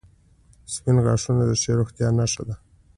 • سپین غاښونه د ښې روغتیا نښه ده.